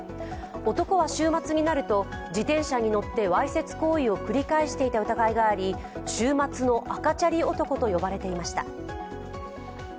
男は週末になると自転車に乗ってわいせつ行為を繰り返していた疑いがあり週末の赤チャリ男と呼ばれていました。